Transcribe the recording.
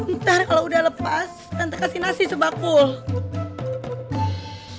ntar kalau udah lepas nanti kasih nasi sebakul